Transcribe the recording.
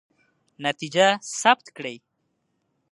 نتیجه ثبت کړئ.